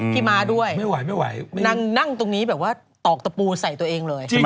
ที่มาด้วยนั่งตรงนี้ตอกตะปูใส่ตัวเองเลย